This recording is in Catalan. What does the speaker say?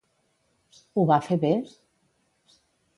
Ho va fer bé?